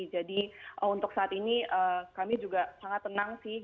jadi untuk saat ini kami juga sangat tenang sih